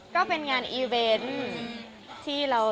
ก็เป็นงานอีเวนต์